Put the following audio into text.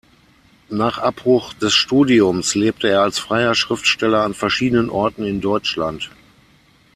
Nach Abbruch des Studiums lebte er als freier Schriftsteller an verschiedenen Orten in Deutschland.